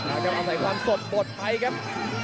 อาจจะเอาใส่ความสดปลดไปครับ